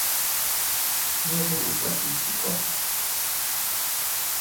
¿Ñeʼe duʼu kuetíchi ko?